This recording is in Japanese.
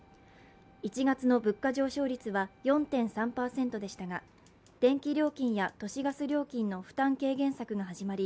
１月の物価上昇率は４．３％でしたが電気料金や都市ガス料金の負担軽減策が始まり